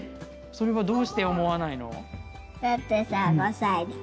それはどうして思わないの？